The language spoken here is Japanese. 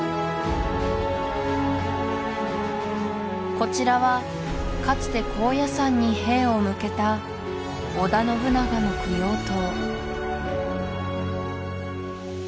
こちらはかつて高野山に兵を向けた織田信長の供養塔